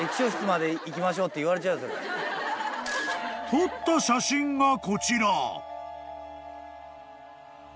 ［撮った写真がこちら］